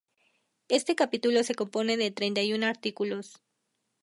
Este capítulo se compone de treinta y un artículos.